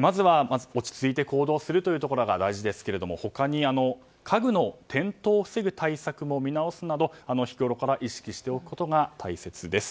まず、落ち着いて行動するのが大事ですが他に、家具の転倒を防ぐ対策も見直すなど日ごろから意識しておくことが大切です。